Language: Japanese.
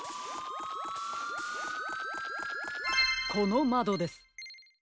このまどです。